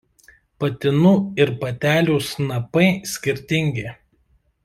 Patinų ir patelių snapai skirtingi.